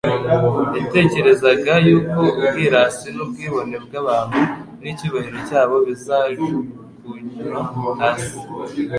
Yatekerezaga yuko ubwirasi n'ubwibone bw'abantu n'icyubahiro cyabo bizajugvnywa hasi.